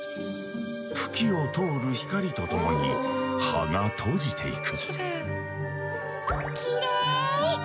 茎を通る光とともに葉が閉じていく。